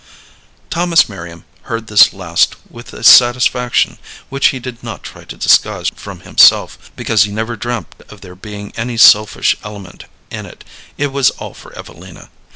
Thomas Merriam heard this last with a satisfaction which he did not try to disguise from himself, because he never dreamed of there being any selfish element in it. It was all for Evelina.